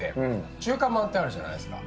中華まんってあるじゃないですか。